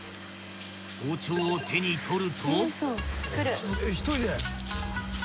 ［包丁を手に取ると］